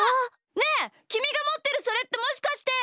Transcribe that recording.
ねえきみがもってるそれってもしかして！